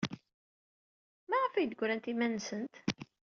Maɣef ay d-ggarent iman-nsent?